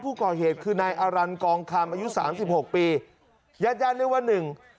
ผู้ก่อเหตุคือนายอารันกองคำอายุสามสิบหกปีญาติญาติได้ว่าหนึ่ง